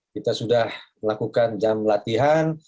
kita sudah melakukan jam latihan